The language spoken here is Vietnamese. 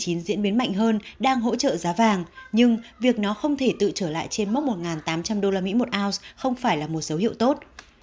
diễn biến mạnh hơn đang hỗ trợ giá vàng nhưng việc nó không thể tự trở lại trên mốc một tám trăm linh usd một ounce không phải là một dấu hiệu tốt